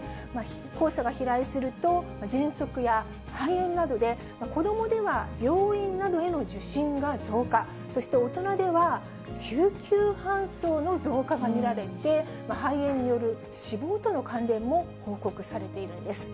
黄砂が飛来すると、ぜんそくや肺炎などで子どもでは病院などへの受診が増加、そして大人では救急搬送の増加が見られて、肺炎による死亡との関連も報告されているんです。